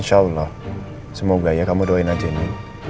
insyaallah semoga ya kamu doain aja ini